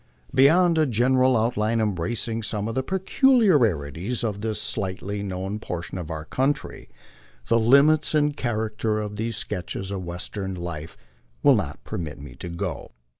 Be3 r ond a general outline embracing some of the peculiar ities of this slightly known portion of our country, the limits and character of these sketches of Western life will not permit me to go.